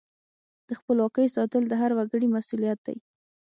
د خپلواکۍ ساتل د هر وګړي مسؤلیت دی.